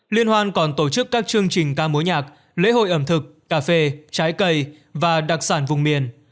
liên hoan còn tổ chức các chương trình ca mối nhạc lễ hội ẩm thực cà phê trái cây và đặc sản vùng miền